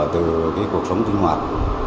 từ cuộc sống sinh hoạt